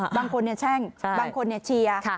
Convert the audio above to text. บางคนแช่งบางคนแช่ง